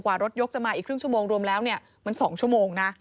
รถยกจะมาอีกครึ่งชั่วโมงรวมแล้วมัน๒ชั่วโมงนะ